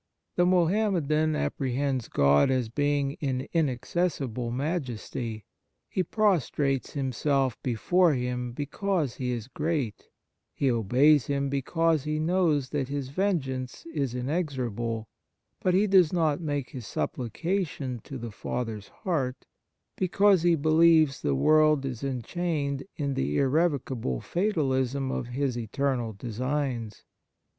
20 The Nature of Piety The Mohammedan apprehends God as being in inaccessible majesty. He prostrates himself before Him be cause He is great, he obeys Him because he knows that His vengeance is inexorable ; but he does not make his supplication to the Father's heart, because he believes the world is enchained in the irrevocable fatalism of His eternal designs.